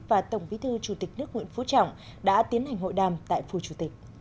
và tổng bí thư chủ tịch nước nguyễn phú trọng đã tiến hành hội đàm tại phù chủ tịch